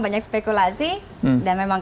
banyak spekulasi dan memang